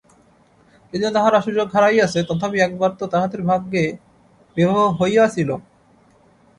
যদিও তাহারা সুযোগ হারাইয়াছে, তথাপি একবার তো তাহাদের ভাগ্যে বিবাহ হইয়াছিল।